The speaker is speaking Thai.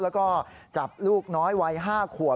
แล้วก็จับลูกน้อย๕ขัว